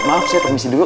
maaf saya termisi dulu